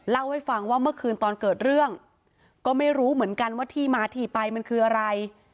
เล่าให้ฟังว่าเมื่อคืนตอนเกิดเรื่องก็ไม่รู้เหมือนกันว่าที่มาที่ไปมันคืออะไร